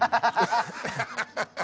ハハハハ！